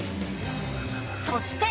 そして。